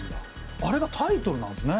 あれがタイトルなんすね！？